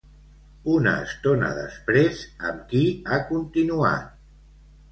Una estona després, amb qui ha continuat?